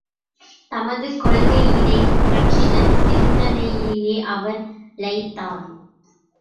தமது கொள்கையினைப் பற்றின சிந்தனையிலேயே அவர் லயித்தார்.